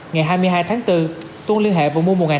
ngày hai mươi hai tháng bốn tuần liên hệ và mua một năm trăm linh